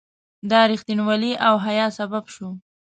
دا رښتینولي او حیا سبب شوه.